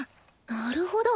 なるほど！